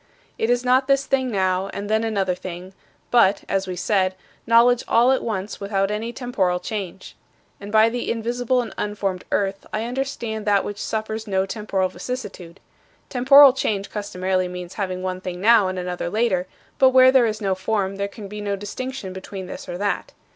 " It is not this thing now and then another thing, but (as we said) knowledge all at once without any temporal change. And by the invisible and unformed earth, I understand that which suffers no temporal vicissitude. Temporal change customarily means having one thing now and another later; but where there is no form there can be no distinction between this or that.